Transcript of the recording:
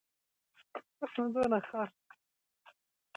خج يې کلک او روښانه ادا کېږي.